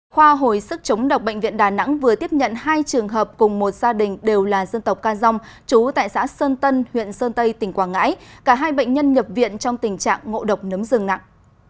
khoa hồi sức chống độc bệnh viện đà nẵng vừa tiếp nhận hai trường hợp cùng một gia đình đều là dân tộc ca dông chú tại xã sơn tân huyện sơn tây tỉnh quảng ngãi cả hai bệnh nhân nhập viện trong tình trạng ngộ độc nấm rừng nặng